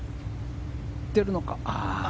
出るのか？